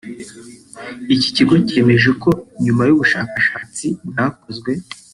Iki kigo cyemeje ko nyuma y’ubushakashatsi bwakozwe